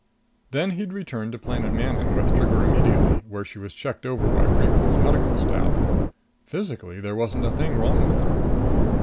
Then he'd returned to Manon Planet with Trigger immediately, where she was checked over by Precol's medical staff. Physically there wasn't a thing wrong with her.